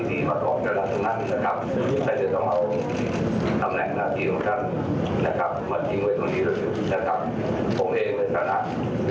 มีตำแหน่งหน้าที่การงานที่ดีมากกว่าจังละทุกนั้นนะครับ